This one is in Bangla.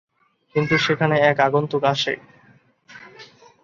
কিন্তু সেখানে এক আগন্তুক আসে।